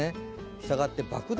したがって爆弾